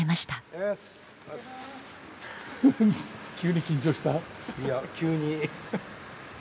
いや急に。